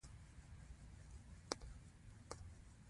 ټولو ته معلوم دی، ټرو پرو انسان دی.